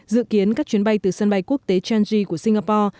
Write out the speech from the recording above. dự kiến các chuyến bay từ sân bay quốc tế changji của singapore